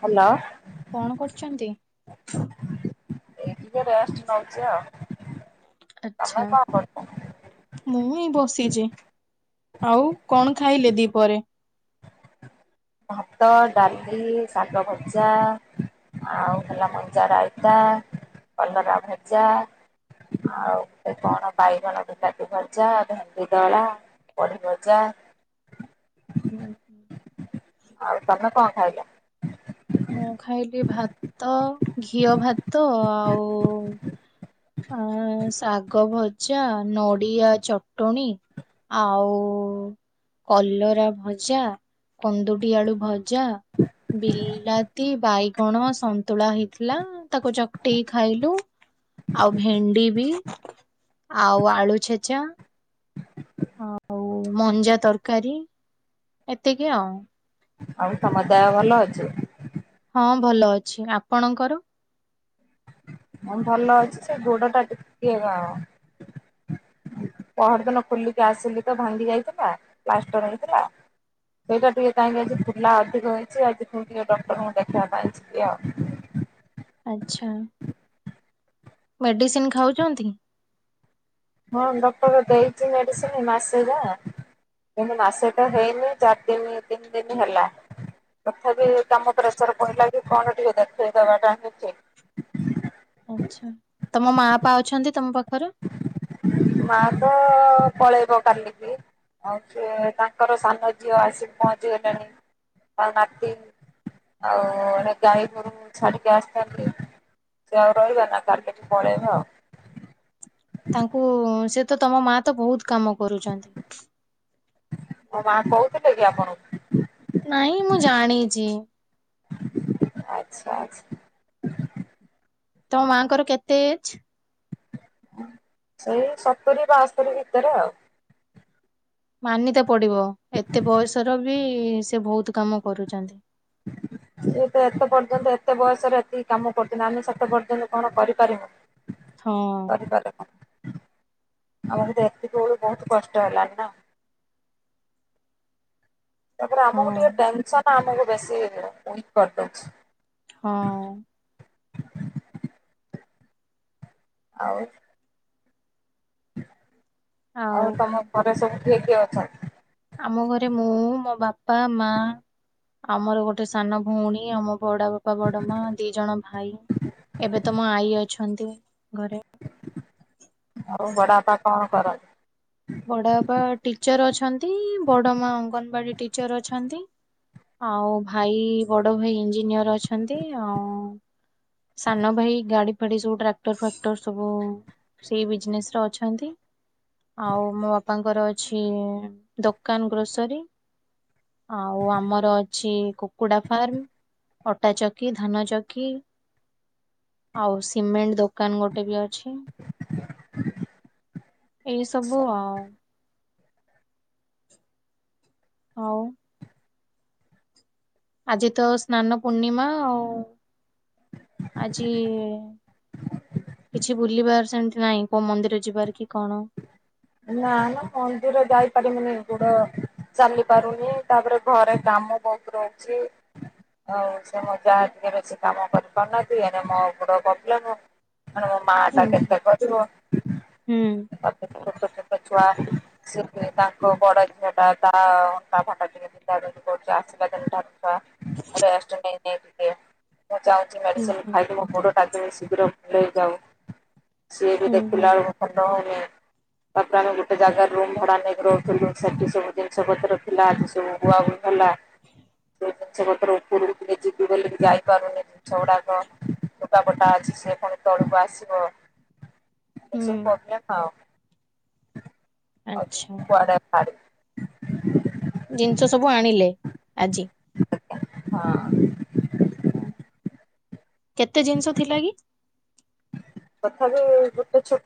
Hello କଣ କରୁଚନ୍ତି? ଏ ଟିକେ ରେଷ୍ଟ ନଉଛି ଆଉ। ତମେ ଆଚ୍ଛା। କଣ କରୁଚ? ବସିଚି। ଆଉ କଣ ଖାଇଲେ ଦ୍ୱିପହରେ? ଭାତ, ଡାଲି, ଶାଗ ଭଜା ଆଉ ହେଲା ମଞ୍ଜା ରାଇତା, କଲରା ଭଜା ଆଉ ଗୋଟେ କଣ ବାଇଗଣ ବିଲାତି ଭଜା, ଭେଣ୍ଡି ଦଳା ବଡ଼ି ଭଜା ହୁଁ। ଆଉ ତମେ କଣ ଖାଇଲ? ମୁଁ ଖାଇଲି ଭାତ, ଘିଅ ଭାତ ଆଉ ଆ ଶାଗ ଭଜା, ନଡିଆ ଚଟୁଣି ଆଉ କଲରା ଭଜା, କୁନ୍ଦୁଡି ଆଳୁ ଭଜା, ବିଲା ତି ବାଇଗଣ ସନ୍ତୁଳା ହେଇଥିଲା ତାକୁ ଚକଟିକି ଖାଇଲୁ ଆଉ ଭେଣ୍ଡି ବି ଆଉ ଆଳୁ ଛେଚା ଆଉ ମଞ୍ଜା ତରକାରୀ ଏତିକି ଆଉ। ଆଉ ତମ ଦେହ ଭଲ ଅଛି? ହଁ ଭଲ ଅଛି। ଆପଣଙ୍କର? ମଁ ଭଲ ଅଛି ସେ ଗୋଡ଼ାଟା ଟିକେ ଆଁ। ପହର ଦିନ ଖୋଲିକି ଆସିଲି ତ ଭାଙ୍ଗି ଯାଇଥିଲା ପ୍ଲାଷ୍ଟର ହେଇଥିଲା। ସେଇଟା ଟିକେ କାହିଁକି ଆଜି ଫୁଲା ଅଧିକ ହେଇଛି ଆଜି ଫୁଣି ଟିକେ ଡକ୍ଟରଙ୍କୁ ଦେଖିବା ପାଇଁ ଯିବି ଆଉ। ଆଚ୍ଛା ମେଡିସିନ ଖାଉଚନ୍ତି। ହଁ ଡକ୍ଟର ଦେଇଚି ମେଡିସିନ ମାସେ ବା। କିନ୍ତୁ ମାସେ ତ ହେଇନି ଚାରି ଦିନ ତିନି ଦିନ ହେଲା। ତଥାପି କାମ ପ୍ରେସର ପଇଲା କି କଣ ଟିକେ ଦେଖେଇ ଦବା ଟା ହିଁ ଠିକ। ଆଛା ତମ ମା ପା ଅଛନ୍ତି ତମ ପାଖ ମା ତ ପଳେଇବ କାଲି କି। ଆଉ ସିଏ ତାଙ୍କର ସାନ ଝିଅ ଆସିିକି ପହଞ୍ଚି ଗଲେଣି ଆଉ ନାତି। ଆଉ ଏଣେ ଗାଈ ଗୋରୁକୁ ଛାଡ଼ି କି ଆସିଛନ୍ତି। ସେ ଆଉ ରହିବେ ନା କାଲି କି ପଳେଇବେ ଆଉ। ତାଙ୍କୁ ସେ ତ ତମ ମା ତ ବହୁତ କାମ କରୁଚନ୍ତି। ମୋ କହୁଥିଲେ କି ଆପଣଙ୍କୁ। ନାଇଁ ମୁଁ ଜାଣିଚି। ଆଚ୍ଛା ଆଚ୍ଛା। ତମ ମା ଙ୍କର କେତେ ଏଜ। ସେଇ ସତୁରୀ ବାଅସ୍ତରୀ ଭିତରେ ଆଉ। ମାନିତେ ପଡିବ ଏତେ ବୟସର ବି ସେ ବହୁତ କାମ କରୁଚନ୍ତି। ସିଏ ତ ଏତେ ପର୍ଯ୍ୟନ୍ତ ଏତେ ବୟସ ରେ ଏତିକି କାମ କରୁଚନ୍ତି ଆମେ ସେତେ ପର୍ଯ୍ୟନ୍ତ କଣ କରି ପାରିବୁ? ହଁ କରି ପାରୁନୁ। ଆଉ ଆମକୁ ଏତିକି ବେଳୁ ବହୁତ କଷ୍ଟ ହେଲାଣି ନା। ତାପରେ ହଁ ଆମକୁ ଟିକେ ଟେନସନ ଆମକୁ ବେଶୀ ୱିକ୍ କରିଦଉଛି। ହଁ। ଆଉ। ଆଉ ତମ ଘରେ ସବୁ କିଏ କିଏ ଅଛନ୍ତି। ଆମ ଘରେ ମୁଁ ମୋ ବାପା ମା ଆମର ଗୋଟେ ସାନ ଭଉଣୀ ଆମ ବଡ ବାପା ବଡ ମା ଦି ଜଣ ଭାଇ ଏବେ ତ ମୋ ଆଈ ଅଛନ୍ତି। ଘରେ। ଆଉ ବଡବାପା କଣ କରନ୍ତି ବଡ ବାପା ଟିଚର ଅଛନ୍ତି ବଡ ମା ଅଙ୍ଗନବାଡି ଟି ଚର ଅଛନ୍ତି ଆଉ ଭାଇ ବଡ ଭାଇ ଇଞ୍ଜିନିୟର ଅ ଅଛନ୍ତି, ଆଉ ସାନ ଭାଇ ଗାଡି଼। ଫାଡି ସବୁ ଟ୍ରାକ୍ଟର ଫାକଟର ସବୁ ସେଇ ବିଜନେସ୍ ରେ ଅଛନ୍ତି। ଆଉ ମୋ ବାପାଙ୍କର ଅଛି ଦୋକାନ ଗ୍ରୋସରୀ। ଆଉ ଆମର ଅଛି କୁକୁଡ଼ା ଫାର୍ମ। ଅଟା ଚକି ଧାନ ଚକି ଆଉ ସିମେଣ୍ଟ ଦୋକ ଦୋକାନ ଗୋଟେ ବି ଅଛି। [inaudible] ଏଇ ସବୁ ଆଉ। ଆଉ। ଆଜି ତ ସ୍ନାନ ପୂର୍ଣ୍ଣିମା ଆଉ। ଆଜି। କିଛି ବୁଲିବାର୍ ସେମିତି ନାଇଁ କୋଉ ମନ୍ଦିର ଯିବାର କି କଣ। ନା ନା ମନ୍ଦିର ଯାଇ ପାରିମିନି ଗୋଡ଼। ଚାଲି ପାରୁନି ତାପରେ ଘରେ କାମ ବହୁତ ରହୁଛି। ଆଉ ସେ ମୋ ଯାଆ ଟିକେ ବେଶୀ କାମ କରି ପାରୁ ନାହାନ୍ତି ଏଣେ ମୋ ଗୋଡ଼ ପବ୍ଲେମ। ଏଣେ ମୋ ମାଆ ଟା ହୁଁ କେତେ ହୁଁ କରିବ? ଛୋଟ-ଛୋଟ ଛୁଆ ସେ ତାଙ୍କ ବଡ଼ ଝିଅଟା ତା [unintelligible] କରୁଛି ଆସିବା ଦିନଠାରୁ। ରେଷ୍ଟ ନେଇ-ନେଇ କିରି ମୁଁ ଚାହୁଁଛି ହୁଁ ମେଡ଼ିସିନ୍ ହୁଁ ଖାଇକି ମୋ ଗୋଡ଼ ତାଦ ଶୀଘ୍ର ଭଲ ହେଇଯାଉ ସିଏ ବି ହୁଁ ହୁଁ। ଦେଖିଲା ବେଳକୁ ଭଲ ହଉନି। ତାପରେ ଆମେ ଗୋଟେ ଜାଗାରେ ରୁମ ଭଡା ନେଇକି ରହୁଥିଲୁ ସେଠି ସବୁ ଜିନିଷ ପତ୍ର ଥିଲା ଆଜି ସବୁ ବୁଆବୁହି ହେଲା। ସେ [inaudible] ଜିନିଷ ପତ୍ର ଉପରକୁ ନେଇଯିବି ବୋଲି ଯାଇପାରୁନି ଜିନିଷଗୁଡ଼ାକ। ଲୁଗାପଟା ଅଛି ସେ ପୁଣି ତଳକୁ ଆସିବ ଏମିତି ହୁଁ ସବୁ କରିବା ଆଉ। [unintelligible] ଆଚ୍ଛା ସବୁ କୁଆଡେ ଜିନିଷ ସବୁ ଆଣିଲେ ଆଜି। ହଁ। କେତେ ଜିନିଷ ଥିଲା କି?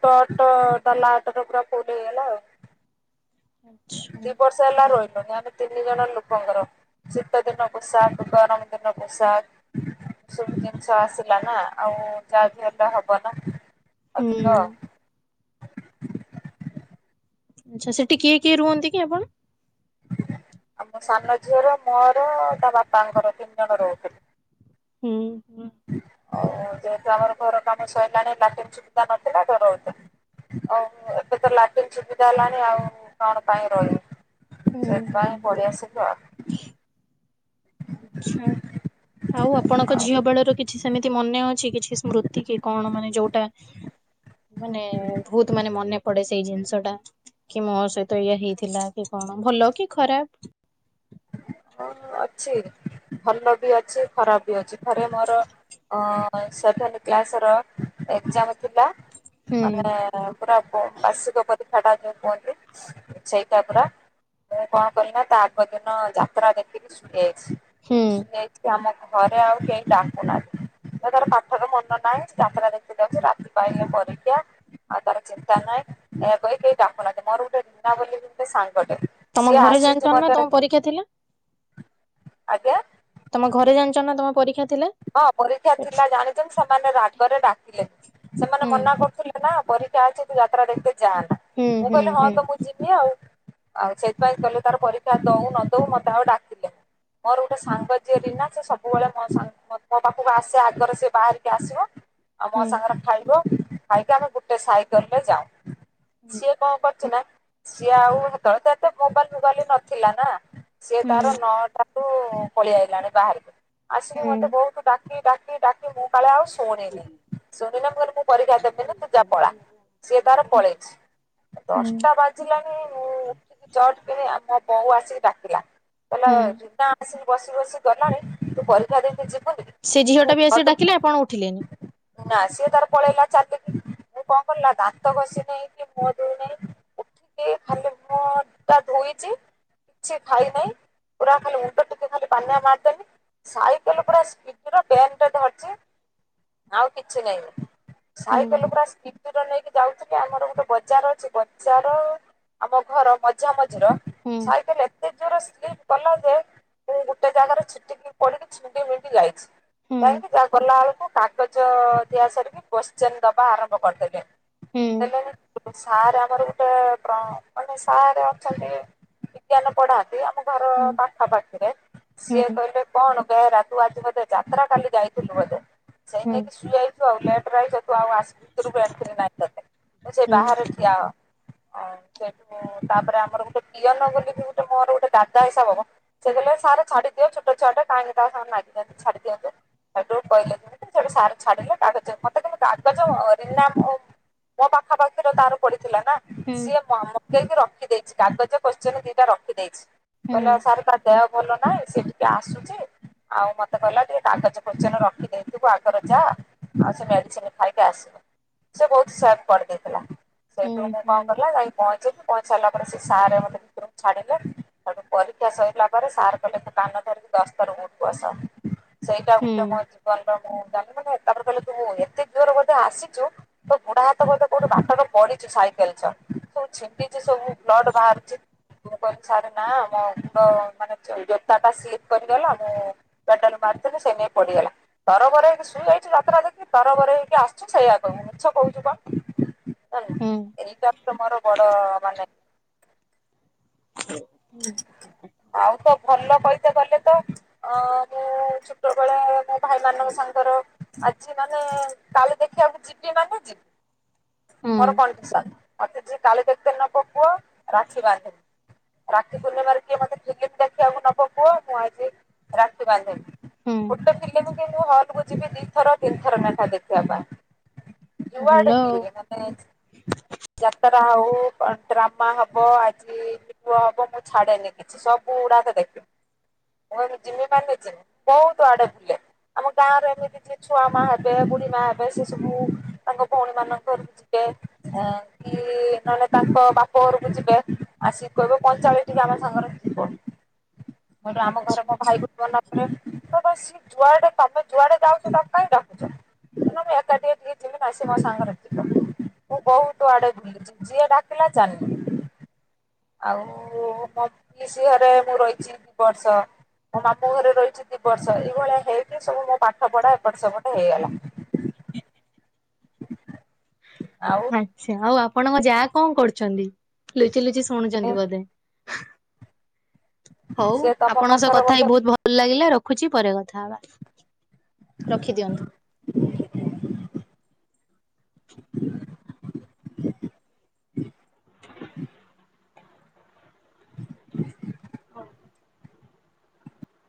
ତଟ ଡଲାଅଟ ରେ ପୁର ଫୁଲ ହେଇଗଲା ଆଉ। ଦି ଆଚ୍ଛା। ବର୍ଷ ହେଲା ରହିଲୁଣି ଆମେ ତିନି ଜଣ ଲୋକଙ୍କର। ଶୀତ ଦିନ ପୋଷାକ୍, ଗରମ ଦିନ ପୋଷାକ୍। ସବୁ ଜିନିଷ ଆସିଲା ନା ଆଉ ଯହା ବି ହେଲେ ହବ ନା। ହୁଁ। ଅଧିକ [inaudible] ଆଚ୍ଛା ସେଠି କିଏ କିଏ ରୁହନ୍ତି କି ଆପଣ? ଆମ ସାନ ଝିଅର ମୋର ତା ବାପାଙ୍କର ତିନି ଜଣ ରହୁଥିଲୁ। ହୁଁ। ହୁଁ ଯେହେତୁ ଆମର ଘର କାମ ସରିଲାଣି ଲାଟିନ୍ ସୁବିଧା ନଥିଲା ମ ରହୁଥିଲୁ। ଆଉ ଏବେ ତ ଲାଟିନ୍ ସୁବିଧା ହେଲାଣି ଆଉ କଣ ପାଇଁ ରହିବୁ। ହୁଁ ସେଥିପାଇଁ ହୁଁ। ପଳିଆସିଲୁ ଆଉ। ଆଉ ଆପଣଙ୍କ ଝିଅ ବେଳ ର କିଛି ସେମିତି ମନେ ଅଛି। କିଛି ସ୍ମୃତି କି କଣ ମାନେ ଯୋଉଟା ମାନେ ବହୁତ ମାନେ ମନେ ପଡେ ସେଇ ଜିନିଷ ଟା କି ମୋ ସହିତ ଇଏ ହେଇଥିଲା କି କଣ? ଭଲ କି ଖରାପ୍। ହଁ ଅଛି। ଭଲ ବି ଅଛି ଖରାପ ବି ଅଛି ଥରେ ମୋର ଅ ସେଭେନଥେ୍ କ୍ଲାସ ର ଏକ୍ସାମ ଥିଲା ହୁଁ ମାନେ ପୁରା ବାର୍ଷିକ ପ ସେଟା ଯୋଉ କୁହନ୍ତି, ସେଇଟା ପୁରା ମୁଁ କଣ କଲି ନା ତା ଆଗ ଦିନ ଯାତ୍ରା ଦେଖିକି ହୁଁ। ଶୁଣିଯାଇଛି-ଶୁଣିଯାଇଛି ଆମ ଘରେ ଆଉ କେହି ଡାକୁନାହାନ୍ତି। ତ ତାର ପାଠର ମନ ନାହିଁ ଯାତ୍ରା ଦେଖି ଯାଉଛି ରାତି ପାଇଁ ପରୀକ୍ଷା। ତାର ଚିନ୍ତା ନାହିଁ ଏହା କହି-କେହି ଡାକୁନାହାନ୍ତି ମୋର ଗୋଟେ ମିନା ବୋଲି ଗୋଟେ ସାଙ୍ଗ ଟେ ସିଏ ଜାଣିଛ ଆସିଛି ନା ମତେ ତମ ତମ ଘରେ ପରୀକ୍ଷା ଆଜ୍ଞା ଜାଣିଛ ନା ତମ ପରୀକ୍ଷା ଥିଲା? ହଁ ପରୀକ୍ଷା ଥିଲା ଜାଣିଥିଲ ସେମାନେ ରାଗରେ ଡାକିଲେ ସେମାନେ ହୁଁ ମନା କରୁଥିଲେ ନା। ପରୀକ୍ଷା ଅଛି ତୁ ଯାତ୍ରା ଦେଖତେ ଯାନ ହୁଁ ମୁଁ ହୁଁ କହିଲି ହଁ ତ ମୁଁ ଯିବି ଆଉ। ଆଉ ସେଥିପାଇଁ କହିଲେ ତାର ପରୀକ୍ଷା ଦଉ ନଦଉ ମତେ ଆଉ ଡାକିଲେନି। ମୋର ଗୋଟେ ସାଙ୍ଗ ଯିଏ ରିନା ସେ ସବୁବେଳେ ମୋ ମୋ ପାଖକୁ ଆସେ ଆଗରେ ସେ ବାହାରିକି ଆସିବ ଆଉ ମୋ ହୁଁ ସାଙ୍ଗରେ ଖାଇବ। ଖାଇକି ଆମେ ଗୋଟେ ସାଇକେଲ ରେ ଯାଉ ସିଏ କଣ କର ନା ସିଏ ଆଉ ସେତେବେଳେ ତ ଏତେ ମୋବାଇଲ ଫୋବାଇଲ ନଥିଲା ନା ସିଏ ତାର ହୁଁ ନଟା ପଳେଇ ଆଇଲାଣି ବାହାରକୁ ହୁଁ ଆସିକି ହୁଁ ମତେ ଡାକି-ଡାକି-ଡାକି ମୁଁ ସକାଳେ ଆଉ ଶୁଣିନି ଶୁଣିନି ମୁଁ କହିଲି ମୁଁ ଆଉ ପରୀକ୍ଷା ଦେବିନି ତୁ ଯା ପଳା। ସିଏ ତାର ପଳେଇଛି ହୁଁ ଦଶଟା ବାଜିଲାଣି ମୁଁ ଉଠିକି ଚଟ କି ଆମ ବୋଉ ଆସିକି ଡାକିଲା କହିଲା ହୁଁ ରିନା ଆସିକି ବସି ବସି ଗଲାଣି ତୁ ପରୀକ୍ଷା ଦେଇ ସେ ଝିଅ ଟା ବି ଆସିକି ଡାକିଲେ ଆପଣ ଉଠିଲେନି ନା ସିଏ ତାର ପଳେଇଲା ଚାଲିଲ କି ମୁଁ କଣ କଲେ ଦାନ୍ତ ଘଷି ନାହିଁ କି ମୁହ ଧୋଇ ନାହିଁ ଉଠିକି ଖାଲି ମୋ ତା ଧୋଇଚି କିଛି ଖାଇନହିଁ ପୁରା ଖାଲିଟ ଟିକେ ଖାଲି ପାନିଆ ମାରିଦେଲି ସାଇ ତେଲୁପୁରା ବେଲ୍ଟ ଧରିଛି ଆଉ କିଛି ନାହିଁ ହୁଁ ସାଇକେଲ ପୁରା ସ୍ତି ନେଇକି ଯାଉଥିବେ ଆମର ଗୋଟେ ବଜାର ଅଛି ବଜାର ଆମ ଘର ମଝା ମଝି ଝିର ହୁଁ ସାଇକଲ ଏତେ ଜୋର ସ୍ପୀ କଲା ଯେ ମୁଁ ଗୋଟେ ଜାଗାରେ ଛିଟିକି ପିଲି ଛିନଡି ମିନିଡି ଲାଇକ୍ସ ହୁଁ କାଇହିଁକି ଯହା ଗଲା ବେଳକୁ କାଗଜ ଦିଆ ସରିକି କଶ୍ଚେନ ଦବା ଆରମ୍ଭ କରିଦେଲେ ହୁଁ ହଲୋ ସାର୍ ଆମର ଗୋଟେ ଅ ମାନେ ସାର୍ ଅଛନ୍ତି ବିଜ୍ଞାନ ପଢାନ୍ତି ଆମ ଘର ହୁଁ ପାଖାପାଖିରେ ହୁଁ ସିଏ କହିଲେ କଣ ଗେ ରାଧୁ ଆଜି ବୋଧେ ଯାତ୍ରା କାଲି ଯାଇଥିଲୁ ବୋଧେ ସେଇ ହୁଁ ନେଇକି ସୁ [unintelligible] ଭ ସେ ହୁଁ ବାହାରେ ଠିଆ ହବା ହ ସେଇଠୁ ତାପରେ ଆମର ଗୋଟେ ପିଅନଗ ବି ଗୋଟେ ମୋର ଗୋଟେ ଦାଦା ହିସାବବ ଗୋଲେ ସାର ଛାଡ଼ିଦିଅ ଛୋଟ ଛୁଆଟା କାହିଁକି ତା ସାଙ୍ଗରେ ନାଗିଛନ୍ତି ଦିଅନ୍ତୁ ହେଟୁ କଇଲେ। ସେଠୁ ସାର ଛାଡିଲେ ତାପରେ ମତେ କହିଲେ କାଗଜ ରୀନା ମୋ ମୋ ପାଖାପାଖିର ତାର ପଡିଥିଲା ନା ହୁଁ ସିଏ ଦେଇକି ରଖିଦେଇଛି କାଗଜ କ୍ୱେଷ୍ଟିନେ ଦିଟା ରଖିଦେଇଛି ହୁଁ ହୁଁ ହୁଁ କହିଲେ ସାର୍ ତା ଦେହ ଭଲ ନାହିଁ ସେ ଟିକେ ଆସୁଛି ଆଉ ମତେ କହିଲା ଯେ କାଗଜ କୋସ୍ତିନେ ରଖିଦେଇଥିବୁ ଆଗର ଯା ଆଉ ସେ ମେଡିସିନ ଖାଇିକି ଆସିବ ସେ ବହୁତ ସେଭ୍ କରିଦେଇଥିଲା ହୁଁ ସେଇଠୁ ମୁଁ କଣ କିଲ ଯାଇ ପହଞ୍ଚେଇି ପହି ସାରିଲା ପରେ ସାରେ ମୋତେ ଭିତରୁ କୁ ଛାଡିଲେ ହେଥିପରୀକ୍ଷା ସରିଲା ପରେ ସାର୍ କହିଲେ କାନ ଧରିକି ଦଶଥର ଉ ବସା ସେଇଟା ହୁଏତ ମୋ ହୁଁ ଜୀବନ ହଁ ତାମାନେ ତାପରେ କହିଲେ ତୁ ଏତେ ଜୋର ବୋଧେ ଆସିଛୁ ତ ଗୁଡା ହାତ ବୋଧେ କୋଉଠ ବା ପାଟରେ ପଡିଛୁ ସାଇକେଲ ସହ ସବୁ ଛିଣ୍ଡିଛି ସବୁ ବ୍ଲଡ ବାହାରୁଛି ମୁଁ କହିଲି ସାରେ ନା ଆମ ମୁଣ୍ଡ ମାନେ ଜୋତା ଟା ସ୍ଲିପ୍ କରିଗଲା ମୁଁ ପେଡାଲ ମାର ସେମି ପଡ଼ିଆଲା ତରବରେ ହେଇକି ଶୋଇଯାଇଛି ଯାତ୍ରା ଦେଖି ତରବରେ ହେଇକି ଆସଛୁ ସେଇଆ କ ମିଛ କହୁଛୁ କଣ ଜାଣି ନା ହୁଁ ଏଇଟା ମୋର ବଡ ମାନେ ଆଉ ତ ଭଲ କଇତେ ଗଲେ ତ ଅ ଚ ଛୋଟ ବେଳା ମୋ ଭାଇ ମାନଙ୍କ ସାଙ୍ଗର ଆଜି ମାନେ କାଲି ଦେଖିବାକୁ ଯିବି ନା ଯିବି ମୋର କଣ୍ଡିସନ୍ ମତେ ଯିଏ କାଲି ଦେଖିତେ ନବ କୁହ ରାକ୍ଷୀ ବାନ୍ଧିନି ରାଖୀ ପୂର୍ଣ୍ଣିମାର କିଏ ମତେ ଫିଲ୍ମ ଦେଖିବାକୁ ନବ କୁହ ମୁଁ ଆଜି ରାତି ବାନ୍ଧିବି ହୁଁ ଗୋଟେ ଫିଲ୍ମ କିନ୍ତୁ ହଲକୁ ଯିବି ଦିଥର ତିନି ଥର ନା ଖା ଦେଖିବା ପାଇଁ ଭଲ ଯୁଆଡେ ଆଉ ପିଳ ମାନେ ଜାଟକ ହଉ ପା ଡ୍ରାମା ହବ ଆଜି ପୁ ହବ ମୁଁ ଛାଡେନି କିଛି ସବୁ ଉୁଡାକ ଦେଖିବି ମୁଁ କହିମି ଜିମି ମାନେ ଜିମି ଵହୁତୁ ଆଡେ ବୁଲେ ଆମ ଗାଁ ରେ ଏମିତି ଯିଏ ଛୁଆ ମା ହେବେ ବୁଢୀ ମା ହେବେ ସେ ସବୁ ତାଙ୍କ ଭଉଣୀ ମାନଙ୍କ ଘରକୁ ଯିବେ କି ନହେଲେ ତାଙ୍କ ବାପ ଘରକୁ ଯିବେ ଆସ କହିବ ପଇଁଚାଳିଶ ଟ ଆମ ସାଙ୍ଗରେ ଆମ ଘର ଆଚ୍ଛା ମୋ ଭାଇ ଗୋରେ ମନା କରେ ତ ସ ଯୁଆଡେ ତମେ ଯୁଆଡେ ଯାଉଛ ତମ କାଇଁ ଡାକୁଛ ନାଁ ଏକାଠିଟ ଘି ନା ଅ ସେ ମ ସଙ୍ଗନା ମୁଁ ବହୁତ ଆଡେ ବୁଲିଛି ଯିଏ ଡାକିଲ ଚାଲିଲି। ଆଉ ମୋ ପିସିଗରେ ମୁଁ ରହିଛି ଦି ବର୍ଷ। ମୋ ମାମୁଁ ଘରେ ରହିଛି ଦୁ ବର୍ଷ ଏଇଭଳିଆ ହେଇକି ସବୁ ମୋ ପାଠ ପଢା ଏପଟ ସେପଟେ ହେଇଗଲା। ହ ଆଚ୍ଛା ଆଉ ଆପଣଙ୍କ ଯାହା କଣ କରୁଛନ୍ତି ଲୁଚି ଲୁଚି ଶୁଣୁଛନ୍ତି ବୋଧେ। ହଉ ସିଏ ତମ ଆପଣଙ୍କ ସହ ପାଖର କଥା ହେଇ ବୋଧେ ବହୁତ ଭଲ ଲାଗିଲା ରଖୁଛି ପରେ କଥା ହେବା। ରଖି ଦିଅନ୍ତୁ। ହଁ।